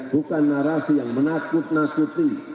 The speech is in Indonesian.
bukan narasi yang menakut nakuti